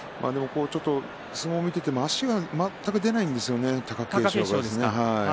相撲を見ていても足が全く出ませんね、貴景勝は。